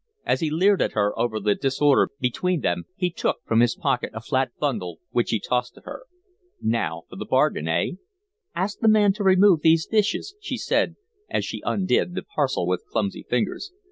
As he leered at her over the disorder between them he took from his pocket a flat bundle which he tossed to her. "Now for the bargain, eh?" "Ask the man to remove these dishes," she said, as she undid the parcel with clumsy fingers.